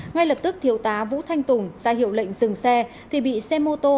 ngay lập tức thiếu tá vũ thanh tùng ra hiệu lệnh dừng xe thì bị xe mô tô